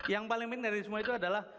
yang paling penting dari semua itu adalah